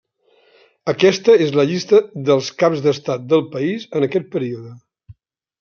Aquesta és la llista dels caps d'estat del país en aquest període.